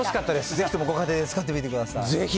ぜひともご家庭で使ってみてください。